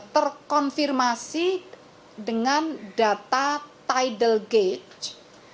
terkonfirmasi dengan data tidal gate